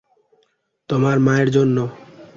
তোমার মায়ের জন্য?